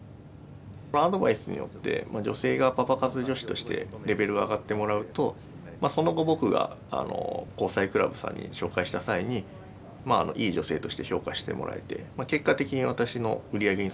アドバイスによって女性がパパ活女子としてレベルが上がってもらうとその後僕が交際クラブさんに紹介した際にいい女性として評価してもらえて結果的に私の売り上げにつながる。